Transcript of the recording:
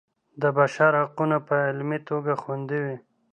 د بشر حقونه په عملي توګه خوندي وي.